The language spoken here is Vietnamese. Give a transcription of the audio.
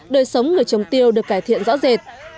đời sống người trồng tiêu được cải thiện rõ rệt